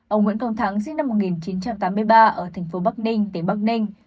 ông nguyễn công thắng sinh năm một nghìn chín trăm tám mươi ba ở thành phố bắc ninh tỉnh bắc ninh